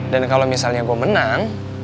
dan kalau misalnya gue menang